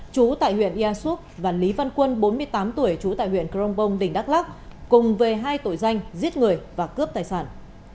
chú tại huyện ia súp và lý văn quân bốn mươi tám tuổi trú tại huyện crong bông tỉnh đắk lắc cùng về hai tội danh giết người và cướp tài sản